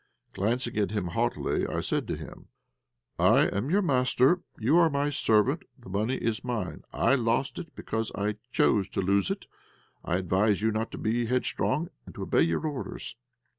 Glancing at him haughtily, I said to him "I am your master; you are my servant. The money is mine; I lost it because I chose to lose it. I advise you not to be headstrong, and to obey your orders."